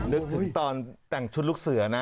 นึกถึงตอนแต่งชุดลูกเสือนะ